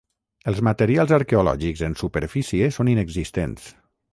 Els materials arqueològics en superfície són inexistents.